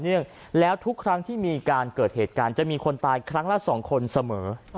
งแล้วทุกครั้งที่มีการเกิดเหตุการณ์จะมีคนตายครั้งละ๒คนเสมอ